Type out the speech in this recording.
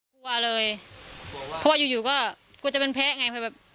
กลัวเลยเพราะว่าอยู่ก็กูจะเป็นแพ้ไง